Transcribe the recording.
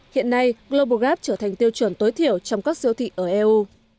hiện nay global gap trở thành tiêu chuẩn tối thiểu trong các siêu thị ở eu